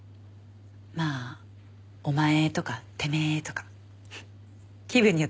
まあおまえとかてめえとか気分によって色々。